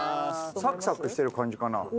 サクサクしてる感じかな？